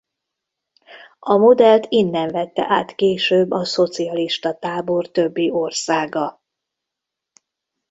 A modellt innen vette át később a szocialista tábor többi országa.